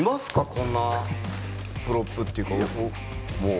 こんなプロップっていうか。